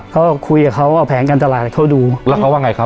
ก็คุยกับเขาว่าแผนการตลาดเขาดูแล้วเขาว่าไงครับ